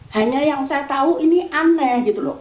hanya yang saya tahu ini aneh gitu loh